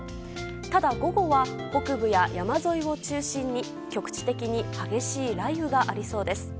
ただ、午後は北部や山沿いを中心に局地的に激しい雷雨がありそうです。